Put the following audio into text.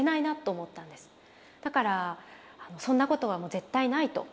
だからそんなことはもう絶対ないと。